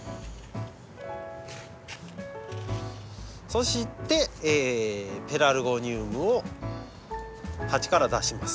そしてペラルゴニウムを鉢から出します。